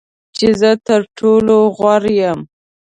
چې زه تر ټولو غوره یم .